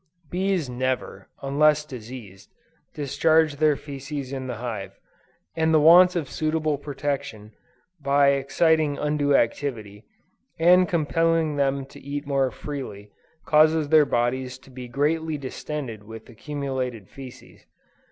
Bees never, unless diseased, discharge their fæces in the hive; and the want of suitable protection, by exciting undue activity, and compelling them to eat more freely, causes their bodies to be greatly distended with accumulated fæces.